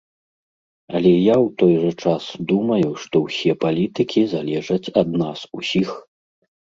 Але я ў той жа час думаю, што ўсе палітыкі залежаць ад нас усіх.